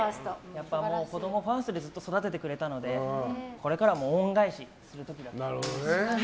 子供ファーストでずっと育ててくれたのでこれから恩返しする時だと思います。